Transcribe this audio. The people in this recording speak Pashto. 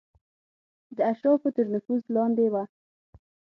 د اشرافو تر نفوذ لاندې وه.